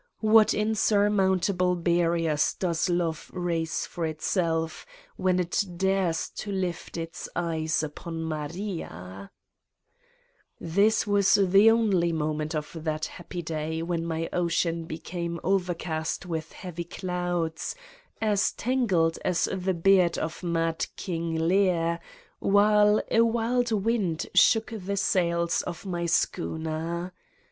What insurmountable barriers does love raise for itself when it dares to lift its eyes upon Mariaf" This was the only moment of that happy day when my ocean became overcast with heavy clouds, as tangled as the beard of "Mad King Lear," while a wild wind shook the sails of my schooner.